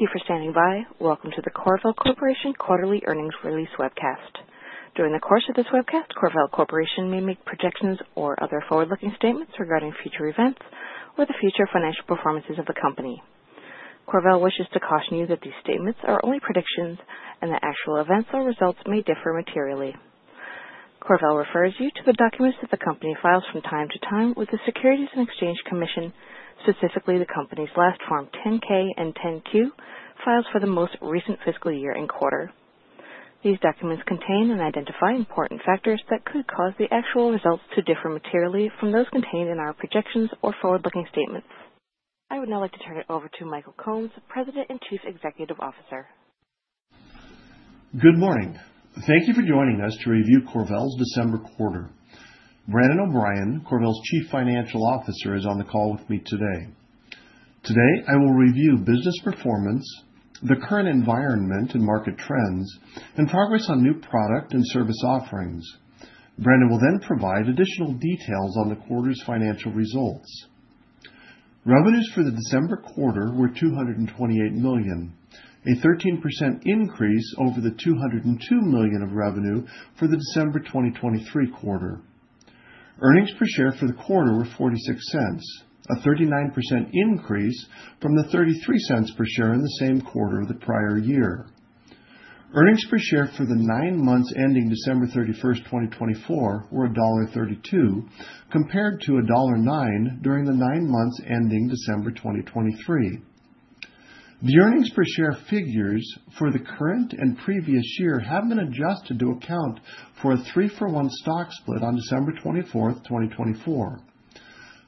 Thank you for standing by. Welcome to the CorVel Corporation Quarterly Earnings Release webcast. During the course of this webcast, CorVel Corporation may make projections or other forward-looking statements regarding future events or the future financial performances of the company. CorVel wishes to caution you that these statements are only predictions, and the actual events or results may differ materially. CorVel refers you to the documents that the company files from time to time with the Securities and Exchange Commission, specifically the company's last Form 10-K and 10-Q filings for the most recent fiscal year and quarter. These documents contain and identify important factors that could cause the actual results to differ materially from those contained in our projections or forward-looking statements. I would now like to turn it over to Michael Combs, President and Chief Executive Officer. Good morning. Thank you for joining us to review CorVel's December quarter. Brandon O'Brien, CorVel's Chief Financial Officer, is on the call with me today. Today, I will review business performance, the current environment and market trends, and progress on new product and service offerings. Brandon will then provide additional details on the quarter's financial results. Revenues for the December quarter were $228 million, a 13% increase over the $202 million of revenue for the December 2023 quarter. Earnings per share for the quarter were $0.46, a 39% increase from the $0.33 per share in the same quarter the prior year. Earnings per share for the nine months ending December 31st, 2024, were $1.32, compared to $1.09 during the nine months ending December 2023. The earnings per share figures for the current and previous year have been adjusted to account for a three-for-one stock split on December 24th, 2024.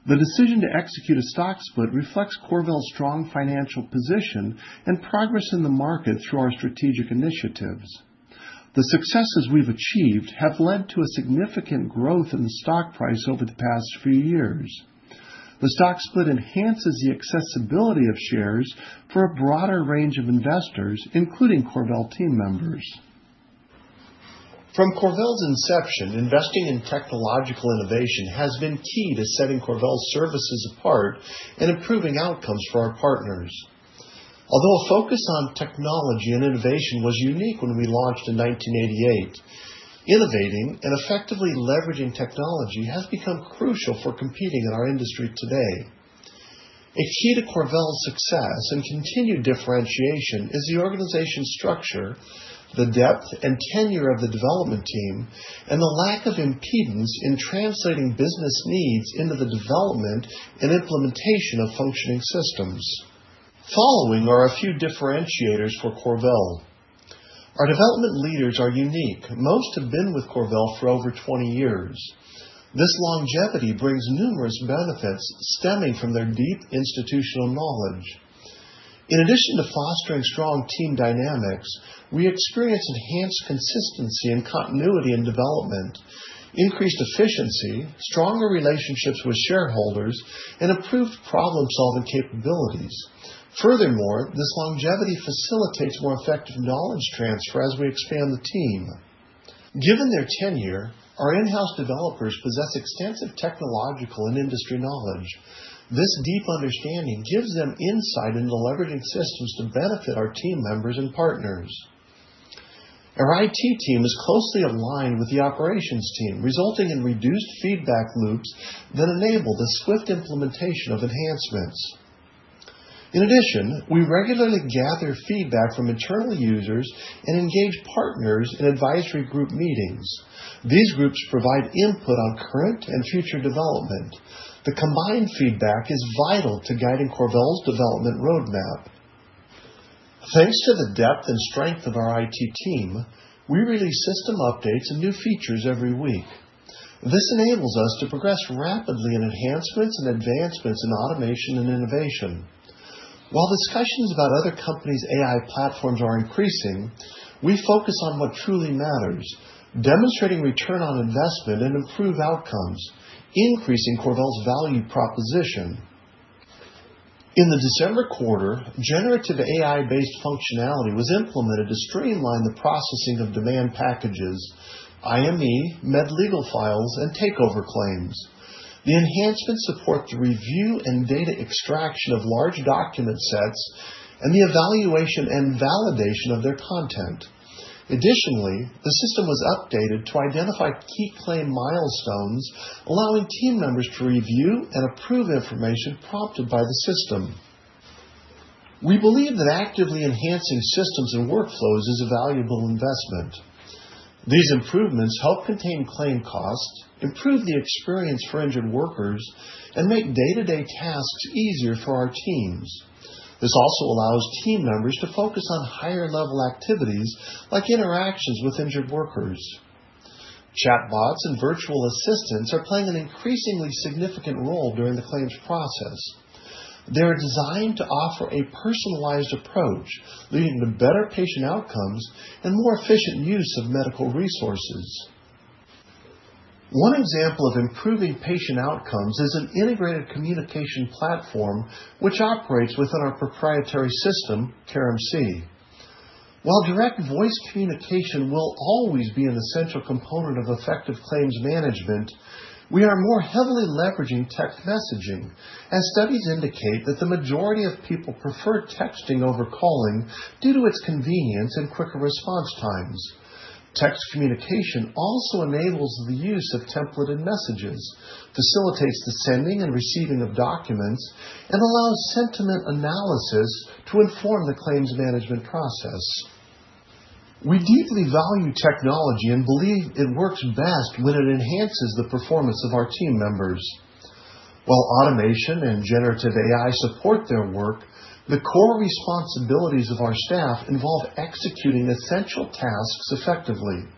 The decision to execute a stock split reflects CorVel's strong financial position and progress in the market through our strategic initiatives. The successes we've achieved have led to a significant growth in the stock price over the past few years. The stock split enhances the accessibility of shares for a broader range of investors, including CorVel team members. From CorVel's inception, investing in technological innovation has been key to setting CorVel's services apart and improving outcomes for our partners. Although a focus on technology and innovation was unique when we launched in 1988, innovating and effectively leveraging technology has become crucial for competing in our industry today. A key to CorVel's success and continued differentiation is the organization's structure, the depth and tenure of the development team, and the lack of impedance in translating business needs into the development and implementation of functioning systems. Following are a few differentiators for CorVel. Our development leaders are unique. Most have been with CorVel for over 20 years. This longevity brings numerous benefits stemming from their deep institutional knowledge. In addition to fostering strong team dynamics, we experience enhanced consistency and continuity in development, increased efficiency, stronger relationships with shareholders, and improved problem-solving capabilities. Furthermore, this longevity facilitates more effective knowledge transfer as we expand the team. Given their tenure, our in-house developers possess extensive technological and industry knowledge. This deep understanding gives them insight into leveraging systems to benefit our team members and partners. Our IT team is closely aligned with the operations team, resulting in reduced feedback loops that enable the swift implementation of enhancements. In addition, we regularly gather feedback from internal users and engage partners in advisory group meetings. These groups provide input on current and future development. The combined feedback is vital to guiding CorVel's development roadmap. Thanks to the depth and strength of our IT team, we release system updates and new features every week. This enables us to progress rapidly in enhancements and advancements in automation and innovation. While discussions about other companies' AI platforms are increasing, we focus on what truly matters: demonstrating return on investment and improved outcomes, increasing CorVel's value proposition. In the December quarter, Generative AI-based functionality was implemented to streamline the processing of demand packages, IME, Med-Legal files, and takeover claims. The enhancements support the review and data extraction of large document sets and the evaluation and validation of their content. Additionally, the system was updated to identify key claim milestones, allowing team members to review and approve information prompted by the system. We believe that actively enhancing systems and workflows is a valuable investment. These improvements help contain claim costs, improve the experience for injured workers, and make day-to-day tasks easier for our teams. This also allows team members to focus on higher-level activities like interactions with injured workers. Chatbots and virtual assistants are playing an increasingly significant role during the claims process. They are designed to offer a personalized approach, leading to better patient outcomes and more efficient use of medical resources. One example of improving patient outcomes is an integrated communication platform, which operates within our proprietary system, CareMC. While direct voice communication will always be an essential component of effective claims management, we are more heavily leveraging text messaging, as studies indicate that the majority of people prefer texting over calling due to its convenience and quicker response times. Text communication also enables the use of templated messages, facilitates the sending and receiving of documents, and allows sentiment analysis to inform the claims management process. We deeply value technology and believe it works best when it enhances the performance of our team members. While automation and generative AI support their work, the core responsibilities of our staff involve executing essential tasks effectively.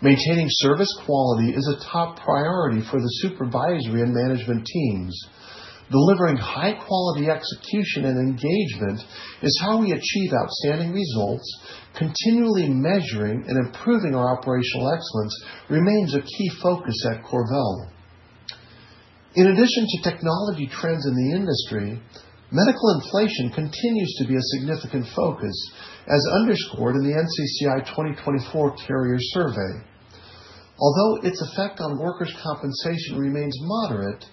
Maintaining service quality is a top priority for the supervisory and management teams. Delivering high-quality execution and engagement is how we achieve outstanding results. Continually measuring and improving our operational excellence remains a key focus at CorVel. In addition to technology trends in the industry, medical inflation continues to be a significant focus, as underscored in the NCCI 2024 carrier survey. Although its effect on workers' compensation remains moderate,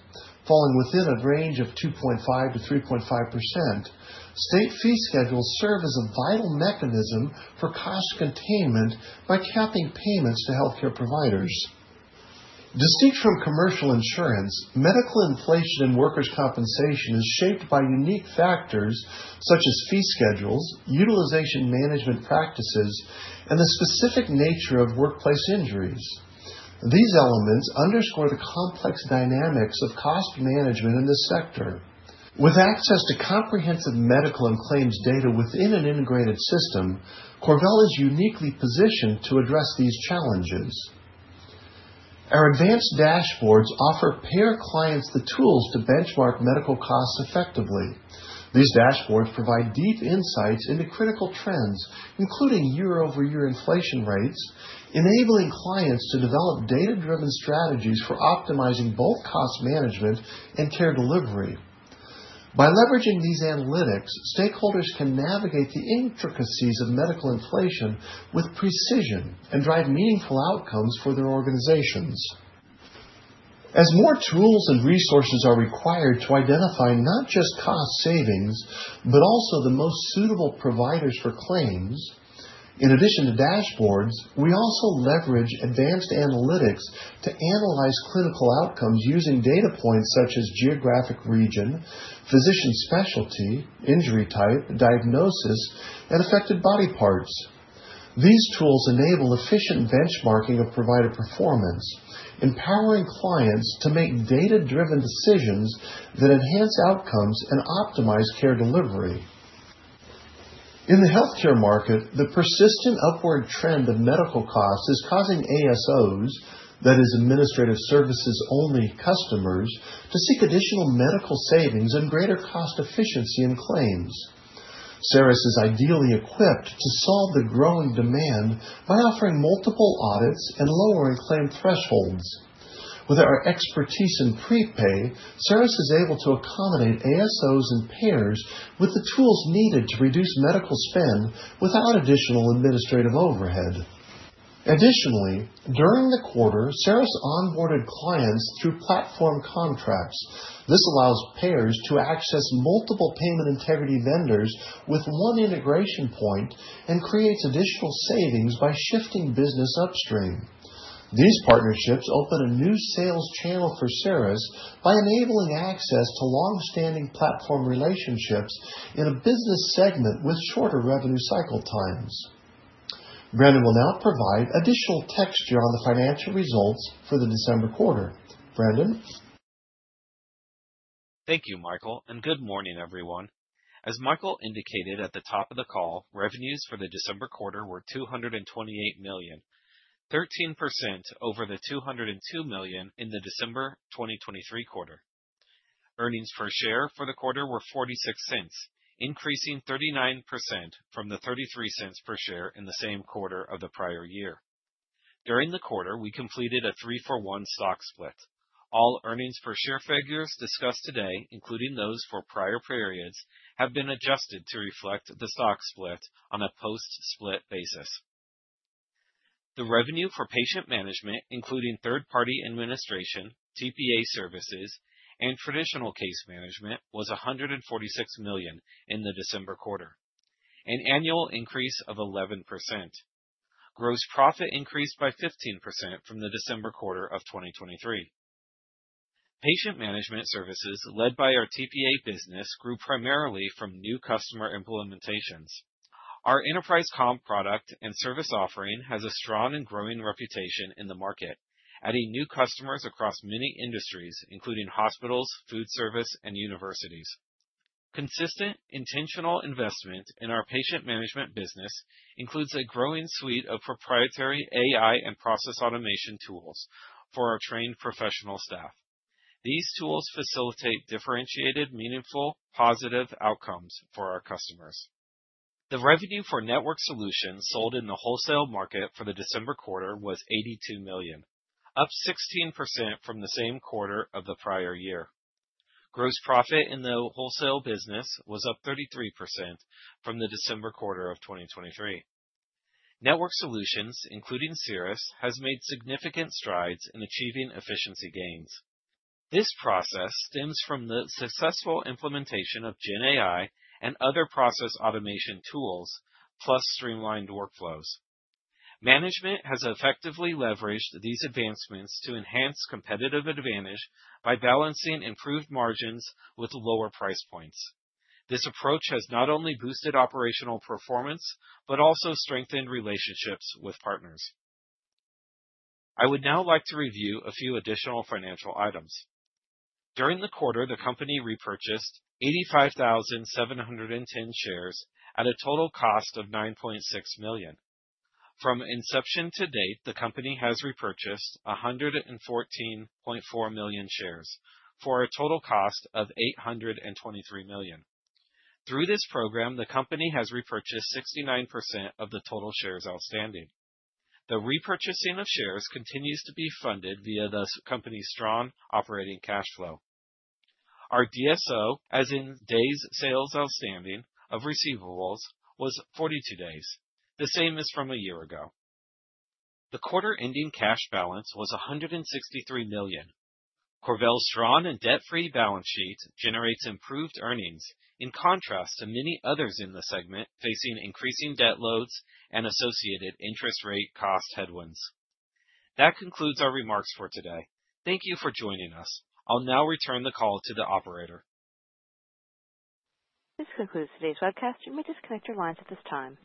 falling within a range of 2.5%-3.5%, state fee schedules serve as a vital mechanism for cost containment by capping payments to healthcare providers. Distinct from commercial insurance, medical inflation in workers' compensation is shaped by unique factors such as fee schedules, utilization management practices, and the specific nature of workplace injuries. These elements underscore the complex dynamics of cost management in this sector. With access to comprehensive medical and claims data within an integrated system, CorVel is uniquely positioned to address these challenges. Our advanced dashboards offer payer clients the tools to benchmark medical costs effectively. These dashboards provide deep insights into critical trends, including year-over-year inflation rates, enabling clients to develop data-driven strategies for optimizing both cost management and care delivery. By leveraging these analytics, stakeholders can navigate the intricacies of medical inflation with precision and drive meaningful outcomes for their organizations. As more tools and resources are required to identify not just cost savings, but also the most suitable providers for claims, in addition to dashboards, we also leverage advanced analytics to analyze clinical outcomes using data points such as geographic region, physician specialty, injury type, diagnosis, and affected body parts. These tools enable efficient benchmarking of provider performance, empowering clients to make data-driven decisions that enhance outcomes and optimize care delivery. In the healthcare market, the persistent upward trend of medical costs is causing ASOs, that is, administrative services-only customers, to seek additional medical savings and greater cost efficiency in claims. CERIS is ideally equipped to solve the growing demand by offering multiple audits and lowering claim thresholds. With our expertise in prepay, CERIS is able to accommodate ASOs and payers with the tools needed to reduce medical spend without additional administrative overhead. Additionally, during the quarter, CERIS onboarded clients through platform contracts. This allows payers to access multiple payment integrity vendors with one integration point and creates additional savings by shifting business upstream. These partnerships open a new sales channel for CERIS by enabling access to long-standing platform relationships in a business segment with shorter revenue cycle times. Brandon will now provide additional texture on the financial results for the December quarter. Brandon? Thank you, Michael, and good morning, everyone. As Michael indicated at the top of the call, revenues for the December quarter were $228 million, 13% over the $202 million in the December 2023 quarter. Earnings per share for the quarter were $0.46, increasing 39% from the $0.33 per share in the same quarter of the prior year. During the quarter, we completed a three-for-one stock split. All earnings per share figures discussed today, including those for prior periods, have been adjusted to reflect the stock split on a post-split basis. The revenue for patient management, including third-party administration, TPA services, and traditional case management, was $146 million in the December quarter, an annual increase of 11%. Gross profit increased by 15% from the December quarter of 2023. Patient management services led by our TPA business grew primarily from new customer implementations. Our Enterprise Comp product and service offering has a strong and growing reputation in the market, adding new customers across many industries, including hospitals, food service, and universities. Consistent, intentional investment in our patient management business includes a growing suite of proprietary AI and process automation tools for our trained professional staff. These tools facilitate differentiated, meaningful, positive outcomes for our customers. The revenue for network solutions sold in the wholesale market for the December quarter was $82 million, up 16% from the same quarter of the prior year. Gross profit in the wholesale business was up 33% from the December quarter of 2023. Network solutions, including CERIS, have made significant strides in achieving efficiency gains. This process stems from the successful implementation of GenAI and other process automation tools, plus streamlined workflows. Management has effectively leveraged these advancements to enhance competitive advantage by balancing improved margins with lower price points. This approach has not only boosted operational performance but also strengthened relationships with partners. I would now like to review a few additional financial items. During the quarter, the company repurchased 85,710 shares at a total cost of $9.6 million. From inception to date, the company has repurchased 114.4 million shares for a total cost of $823 million. Through this program, the company has repurchased 69% of the total shares outstanding. The repurchasing of shares continues to be funded via the company's strong operating cash flow. Our DSO, as in days sales outstanding of receivables, was 42 days, the same as from a year ago. The quarter-ending cash balance was $163 million. CorVel's strong and debt-free balance sheet generates improved earnings in contrast to many others in the segment facing increasing debt loads and associated interest rate cost headwinds. That concludes our remarks for today. Thank you for joining us. I'll now return the call to the operator. This concludes today's webcast. You may disconnect your lines at this time.